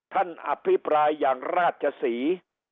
อภิปรายอย่างราชศรี